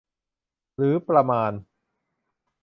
หรือประมาณ